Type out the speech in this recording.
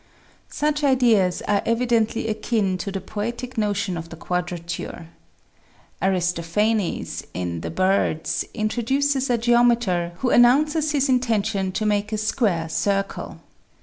Such ideas are evidently akin to the poetic notion of the quadrature. Aristophanes, in the "Birds," introduces a geometer, who announces his intention to make a square circle.